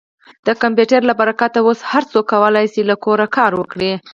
د کمپیوټر له برکته اوس هر څوک کولی شي له کوره کار وکړي.